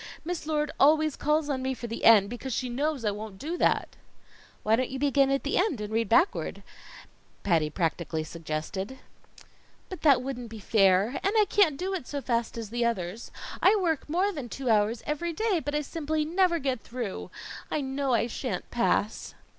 Miss Lord always calls on me for the end, because she knows I won't know that." "Why don't you begin at the end and read backwards?" Patty practically suggested. "But that wouldn't be fair, and I can't do it so fast as the others. I work more than two hours every day, but I simply never get through. I know I shan't pass."